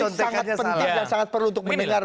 sangat penting dan sangat perlu untuk mendengar